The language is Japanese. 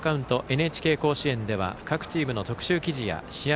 「ＮＨＫ甲子園」では各チームの特集記事や試合